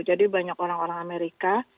jadi banyak orang orang amerika